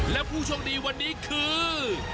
และผู้โชคดีวันนี้คือ